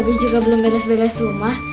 tapi juga belum beres beres rumah